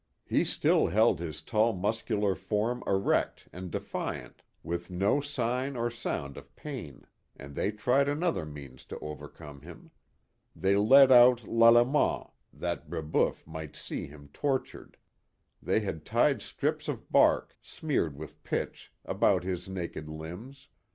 He still held his tall muscular form erect and defiant, with no sign or sound of pain; and they tried another means to overcome him. They led out Lalemant, that Brebeuf might see him tortured. They had tied strips of bark, smeared with pitch, about his naked limbs.